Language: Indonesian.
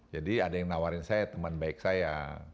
jadi ada yang nawarin saya teman baik saya